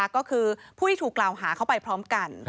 ก็คือผู้ที่ถูกกล่าวหาเข้าไปพร้อมกัน